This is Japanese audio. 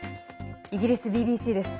イギリスＢＢＣです。